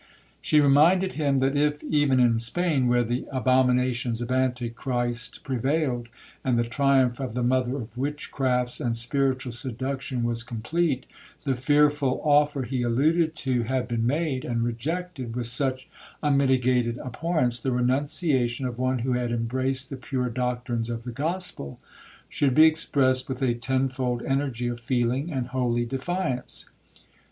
She reminded him, that if, even in Spain, where the abominations of Antichrist prevailed, and the triumph of the mother of witchcrafts and spiritual seduction was complete, the fearful offer he alluded to had been made and rejected with such unmitigated abhorrence, the renunciation of one who had embraced the pure doctrines of the gospel should be expressed with a tenfold energy of feeling and holy defiance.